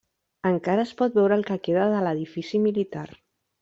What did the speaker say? Encara es pot veure el que queda de l'edifici militar.